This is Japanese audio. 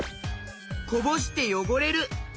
こぼしてよごれる！